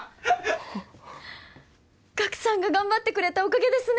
ガクさんが頑張ってくれたおかげですね